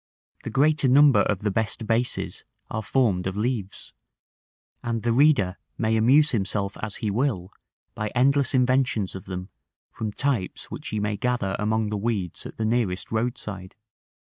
The greater number of the best bases are formed of leaves; and the reader may amuse himself as he will by endless inventions of them, from types which he may gather among the weeds at the nearest roadside.